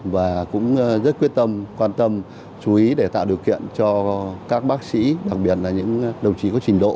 và cũng rất quyết tâm quan tâm chú ý để tạo điều kiện cho các bác sĩ đặc biệt là những đồng chí có trình độ